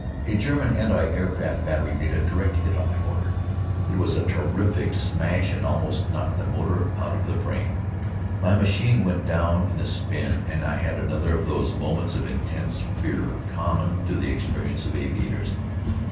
A German anti air craft battery made a direct hit on my motor. It was a terrific smash and almost knocked the motor out of the frame. My machine went down in a spin and I had another of those moments of intense fear common to the experience of aviators.